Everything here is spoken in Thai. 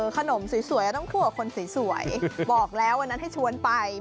ขนมสวยต้องคู่กับคนสวย